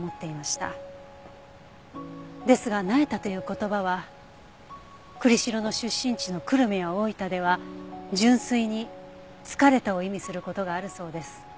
ですが「なえた」という言葉は栗城の出身地の久留米や大分では純粋に「疲れた」を意味する事があるそうです。